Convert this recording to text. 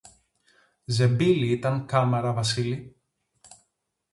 Ζεμπίλι ήταν κάμαρα Βασίλη.